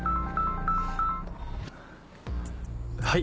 はい。